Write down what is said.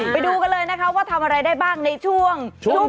ไปดูกันเลยนะคะว่าทำอะไรได้บ้างในช่วง